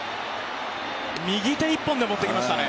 右手一本で持っていきましたね。